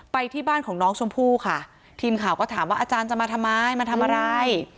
ไปที่บ้านของน้องชมพู่ค่ะทีมข่าวก็ถามว่าอาจารย์จะมาทำไมมาทำอะไร